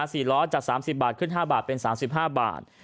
สี่ล้อจาก๓๐บาทขึ้น๕บาทเป็น๓๕บาท